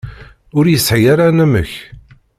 Ur yesɛi ara anamek.